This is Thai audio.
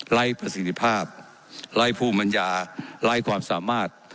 ไล้ประสิทธิภาพไล้ผู้มัญญาไล้ความสามารถ